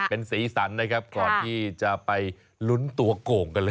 เป็นสีสันนะครับก่อนที่จะไปลุ้นตัวโก่งกันเลย